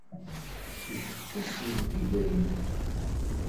Lḥeqq-is ibedd i dayem.